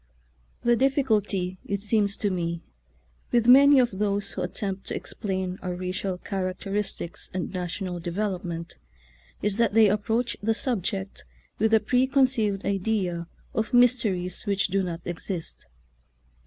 The difficulty, it seems to me, with many of those who attempt to explain our racial characteristics and national devel opment is that they approach the subject with a preconceived idea of mysteries which do not exist.